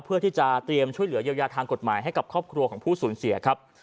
เพื่อที่จะเตรียมช่วยเหลือเยียวยาทางกฎหมายให้กับครอบครัวของผู้สูญเสียครับ